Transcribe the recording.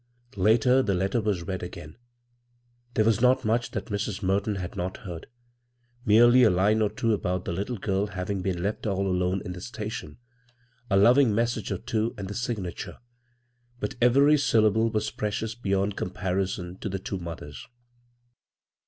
Later, the letter was read again. There was not much that Mrs. Merton had not heard — merely a line or two about the litde girl having been left all alone in the station, a loving message or two, and the signature ; but every syllable was precious beyond com parison to the two mothers.